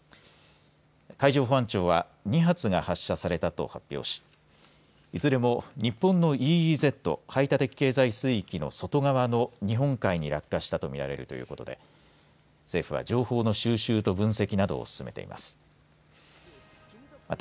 海上保安庁は２発が発射されたと発表しいずれも日本のＥＥＺ・排他的経済水域の外側の日本海に落下したと見られるということで政府は情報の収集と分析などを進めています。